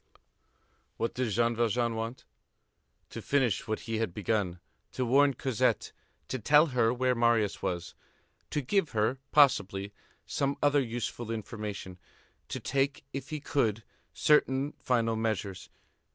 What did Jean Valjean want? To finish what he had begun; to warn Cosette, to tell her where Marius was, to give her, possibly, some other useful information, to take, if he could, certain final measures.